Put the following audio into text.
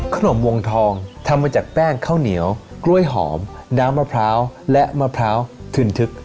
ขนมวงทองทำมาจากแป้งข้าวเหนียวกล้วยหอมน้ำมะพร้าวและมะพร้าวทึ่นทึก